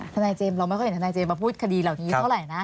ทนายเจมส์เราไม่ค่อยเห็นทนายเจมสมาพูดคดีเหล่านี้เท่าไหร่นะ